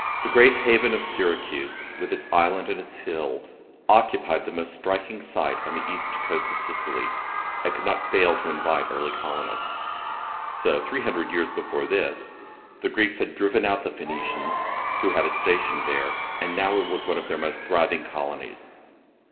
The great haven of Syracuse, with its island and its hill, occupied the most striking site on the east coast of Sicily, and could not fail to invite early colonists. So, three hundred years before this, the Greeks had driven out the Phoenicians, who had a station there, and now it was one of their most thriving colonies.